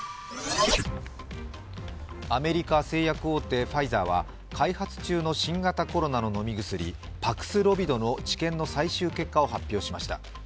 アメリカ製薬大手・ファイザーは開発中の新型コロナの飲み薬パクスロビドの治験の最終結果を発表しました。